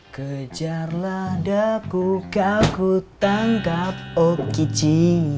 kejarlah daku kaku tangkap oh kicit